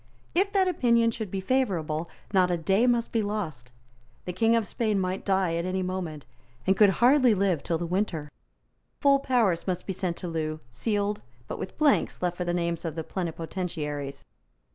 If that opinion should be favourable, not a day must be lost. The King of Spain might die at any moment, and could hardly live till the winter. Full powers must be sent to Loo, sealed, but with blanks left for the names of the plenipotentiaries.